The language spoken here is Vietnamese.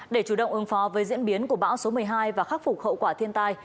để chủ động ứng phó với diễn biến của bão số một mươi hai và khắc phục hậu quả thiên tai